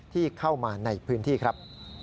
ที่เข้ามาในพื้นที่ครับ